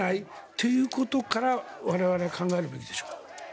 ということから我々は考えるべきでしょうね。